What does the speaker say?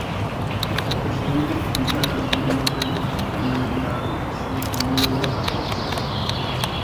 El presidente y general Antonio López de Santa Anna era su homólogo adversario.